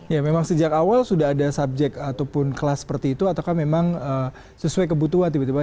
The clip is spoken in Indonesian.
ya memang sejak awal sudah ada subjek ataupun kelas seperti itu atau memang sesuai kebutuhan tiba tiba